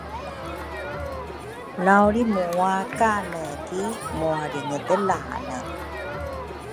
lau lrimu wakane ki mualringedelane.